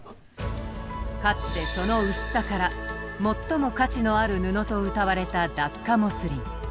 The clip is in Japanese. かつてその薄さから「最も価値のある布」とうたわれたダッカモスリン。